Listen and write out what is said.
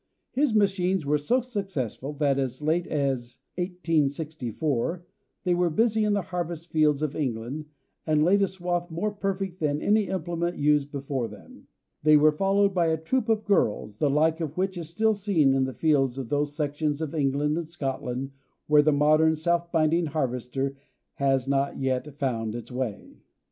His machines were so successful that, as late as 1864, they were busy in the harvest fields of England, and laid a swath more perfect than any implement used before them; they were followed by a troop of girls, the like of which is still seen in the fields of those sections of England and Scotland where the modern self binding harvester has not yet found its way.